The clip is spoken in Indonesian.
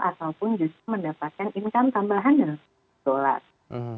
ataupun justru mendapatkan income tambahan dari dolar